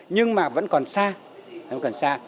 nhưng mà vẫn còn xa